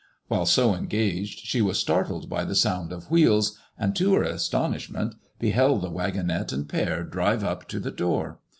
While so engaged, she was startled by the sound of wheels, and, to her astonishment, beheld the waggonette and pair drive up to the door.